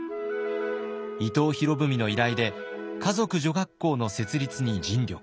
伊藤博文の依頼で華族女学校の設立に尽力。